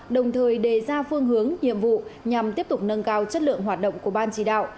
đồng thời đề ra phương hướng nhiệm vụ nhằm tiếp tục nâng cao chất lượng hoạt động của ban chỉ đạo